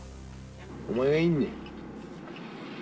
お前がいるねん。